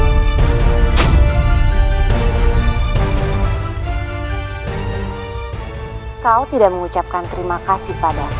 hai kau tidak mengucapkan terima kasih pada aku